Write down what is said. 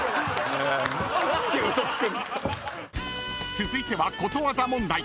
［続いてはことわざ問題］